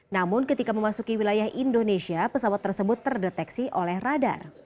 namun ketika memasuki wilayah indonesia pesawat tersebut terdeteksi oleh radar